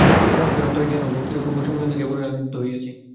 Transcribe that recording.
মহাশয়ের অন্তরে জ্ঞান ও ভক্তির অপূর্ব সম্মিলন দেখিয়া বড়ই আনন্দিত হইয়াছি।